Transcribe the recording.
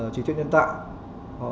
trí tuyết nhân tạo